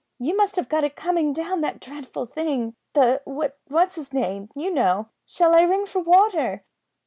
You must have got it coming down that dreadful thing the what's 'is name, you know. Shall I ring for water?"